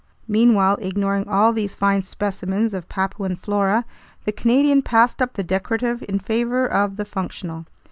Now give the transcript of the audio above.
Meanwhile, ignoring all these fine specimens of Papuan flora, the Canadian passed up the decorative in favor of the functional.